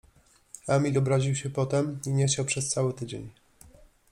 Emil obraził się potem i nie chciał przez cały tydzień.